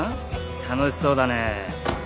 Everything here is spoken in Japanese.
楽しそうだねえ